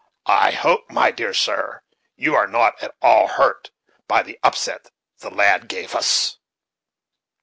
I hope, my dear sir, you are not at all hurt by the upset the lad gave us?"